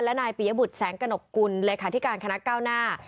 และนายปียบุตรแสงกระหนบกุลเลยค่ะที่การคณะเก้าน่า